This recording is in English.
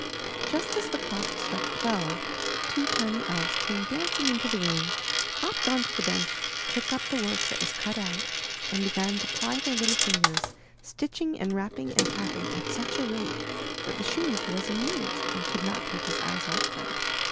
Just as the clock struck twelve, two tiny elves came dancing into the room, hopped onto the bench, took up the work that was cut out, and began to ply their little fingers, stitching and rap ping and tapping at such a rate that the shoemaker was amazed, and could not take his eyes off them.